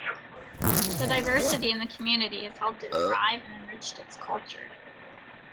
The diversity in the community has helped it thrive and enriched its culture.